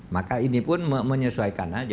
maka ini pun menyesuaikan aja